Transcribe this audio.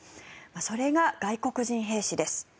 それが外国人兵士です。